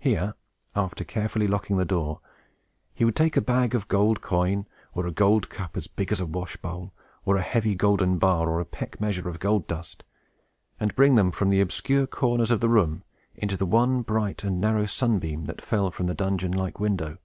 Here, after carefully locking the door, he would take a bag of gold coin, or a gold cup as big as a washbowl, or a heavy golden bar, or a peck measure of gold dust, and bring them from the obscure corners of the room into the one bright and narrow sunbeam that fell from the dungeon like window.